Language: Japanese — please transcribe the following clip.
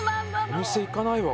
お店行かないわ